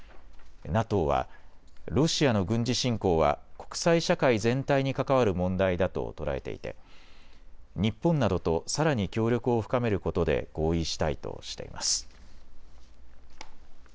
ＮＡＴＯはロシアの軍事侵攻は国際社会全体に関わる問題だと捉えていて日本などとさらに協力を深めることで合意したいとしています。